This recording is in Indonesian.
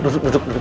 duduk duduk duduk